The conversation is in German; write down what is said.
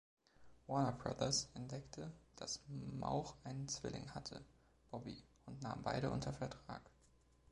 Warner Brothers entdeckte, dass Mauch einen Zwilling hatte, Bobby, und nahm beide unter Vertrag.